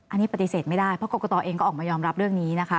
อันนี้ปฏิเสธไม่ได้เพราะกรกตเองก็ออกมายอมรับเรื่องนี้นะคะ